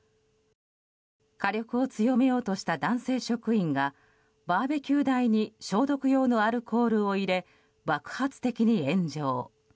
火力を強めようとした男性職員がバーベキュー台に消毒用のアルコールを入れ爆発的に炎上。